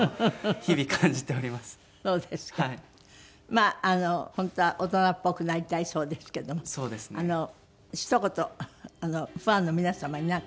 まあ本当は大人っぽくなりたいそうですけどもひと言ファンの皆様になんかおっしゃる事あります？